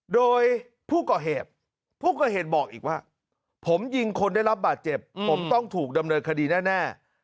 โดยผู้ก่อเหตุผู้ก่อเหตุบอกอีกว่าผมยิงคนได้รับบาดเจ็บผมต้องถูกดำเนินคดีแน่